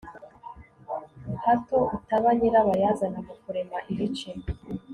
hato utaba nyirabayazana mu kurema ibice